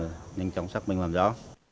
để nhanh chóng xác minh làm rõ